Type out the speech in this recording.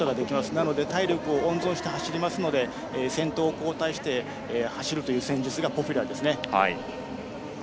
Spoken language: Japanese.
なので、体力を温存して走りますので先頭を交代して走るという戦術がポピュラーですね。